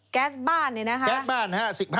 แก๊สบ้านเนี่ยนะครับ